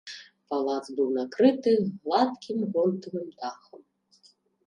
Палац быў накрыты гладкім гонтавым дахам.